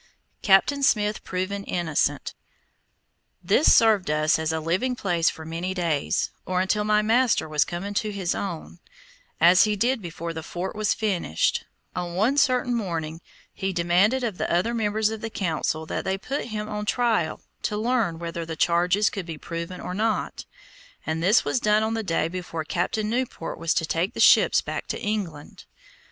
CAPTAIN SMITH PROVEN INNOCENT This served us as a living place for many days, or until my master was come into his own, as he did before the fort was finished, when, on one certain morning, he demanded of the other members of the Council that they put him on trial to learn whether the charges could be proven or not, and this was done on the day before Captain Newport was to take the ships back to England.